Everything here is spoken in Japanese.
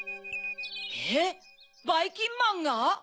えっばいきんまんが？